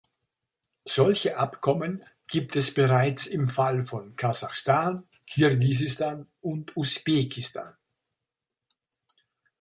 Solche Abkommen gibt es bereits im Fall von Kasachstan, Kirgisistan und Usbekistan.